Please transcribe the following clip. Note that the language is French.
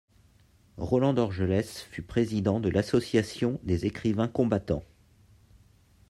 Roland Dorgelès fut président de l’Association des écrivains combattants.